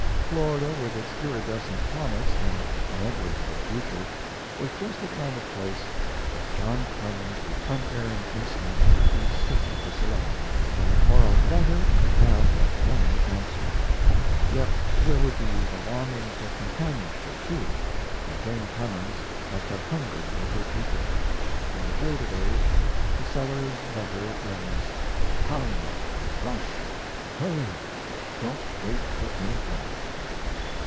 Florida, with its iridescent promise and negligible future, was just the kind of a place that John Clemens with unerring instinct would be certain to select, and the Quarles letter could have but one answer. Yet there would be the longing for companionship, too, and Jane Clemens must have hungered for her people. In The Gilded Age, the Sellers letter ends: "Come! rush! hurry! don't wait for anything!"